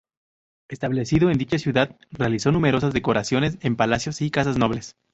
Establecido en dicha ciudad, realizó numerosas decoraciones en palacios y casas nobles.